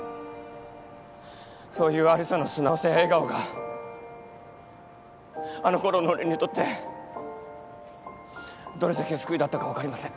そういう有沙の素直さや笑顔があのころの俺にとってどれだけ救いだったか分かりません。